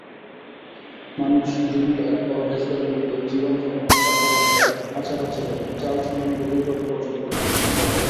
মানুষ দ্বীনদার পরহেজগার লোকদের জীবনযাপন, কথাবার্তা, আচার-আচরণ, চালচলন গভীরভাবে পর্যবেক্ষণ করতেন।